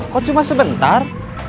kok cuma sebentar